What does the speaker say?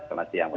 selamat siang pak